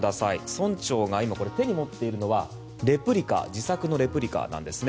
村長が手に持っているのは自作のレプリカなんですね。